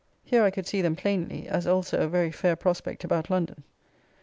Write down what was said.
Here I could see them plainly, as also a very fair prospect about London.